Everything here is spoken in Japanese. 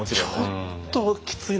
ちょっときついなと。